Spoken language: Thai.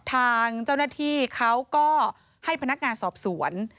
ทางเจ้าหน้าที่เขาก็ให้พนักงานสอบสวน